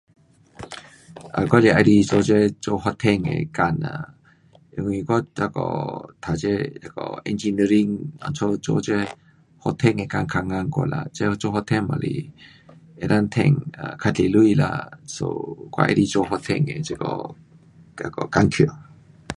啊，我是喜欢做这，做发展的工呐，因为我那个读这那个 engineering 因此做这发展的工较合我啦，做发展也是能够赚啊，较多钱啦，so 我喜欢做发展的工作。